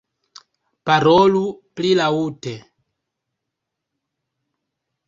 - Parolu pli laŭte.